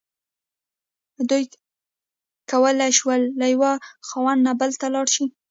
دوی کولی شول له یوه خاوند نه بل ته لاړ شي.